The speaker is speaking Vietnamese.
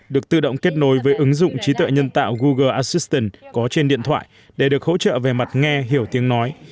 được tự động kết nối với ứng dụng trí tuệ nhân tạo google aciston có trên điện thoại để được hỗ trợ về mặt nghe hiểu tiếng nói